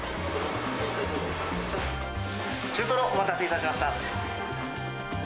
中トロ、お待たせいたしました。